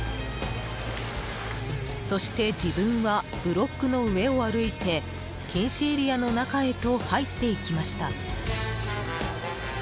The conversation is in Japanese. そして自分はブロックの上を歩いて禁止エリアの中へと入っていきました。